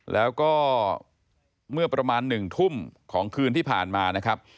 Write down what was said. แล้วก็เมื่อประมาณ๑ทุ่มของคืนที่ผ่านมานะครับ